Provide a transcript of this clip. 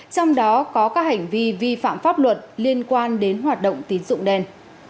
trong đó có các hành vi vi phạm pháp luật liên quan đến hoạt động tín dụng đen